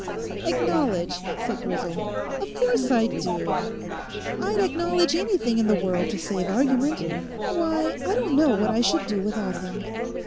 'Acknowledge!' said Grisel; 'of course I do. I'd acknowledge anything in the world to save argument. Why, I don't know what I should do without him.